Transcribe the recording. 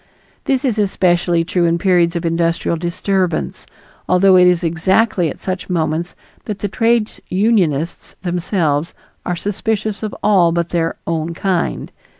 This is especially true in periods of industrial disturbance, although it is exactly at such moments that the trades unionists themselves are suspicious of all but their "own kind."